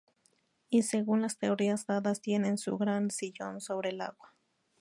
Y según las teorías dadas, tiene su gran sillón sobre el agua.